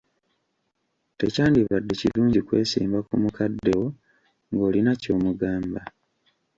Tekyandibadde kirungi kwesimba ku mukadde wo ng'olina ky'omugamba.